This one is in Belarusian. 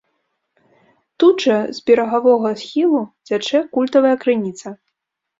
Тут жа з берагавога схілу цячэ культавая крыніца.